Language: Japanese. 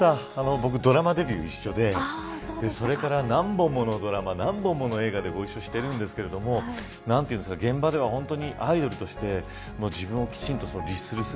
僕、ドラマデビューが一緒でそれから何本ものドラマ何本もの映画でご一緒していますが現場では、本当にアイドルとして自分をきちんと律する姿。